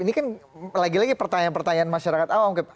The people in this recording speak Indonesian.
ini kan lagi lagi pertanyaan pertanyaan masyarakat awam keb